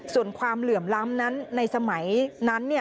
ส่วนความเหลื่อมล้ำนั้นในสมัยนั้น